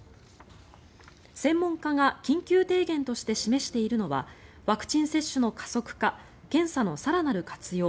専門家が緊急提言として示しているのはワクチン接種の加速化検査の更なる活用